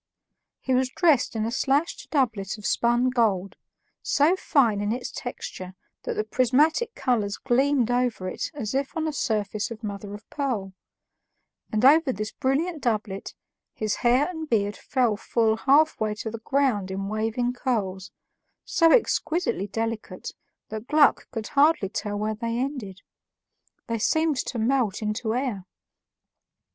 He was dressed in a slashed doublet of spun gold, so fine in its texture that the prismatic colors gleamed over it as if on a surface of mother of pearl; and over this brilliant doublet his hair and beard fell full halfway to the ground in waving curls, so exquisitely delicate that Gluck could hardly tell where they ended; they seemed to melt into air.